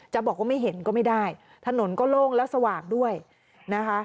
จะบอกว่าไม่เห็นก็ไม่ได้ถนนก็โล่งแล้วสว่างด้วยนะคะ